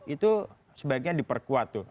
itu sebaiknya diperkuat tuh